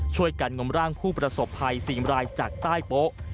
ช่วยการง้ำร่างผู้ประสบภัยซีมรายจากใต้ป๊ะ